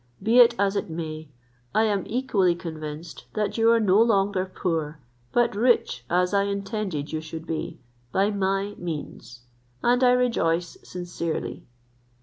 Be it as it may, I am equally convinced that you are no longer poor, but rich as I intended you should be, by my means; and I rejoice sincerely."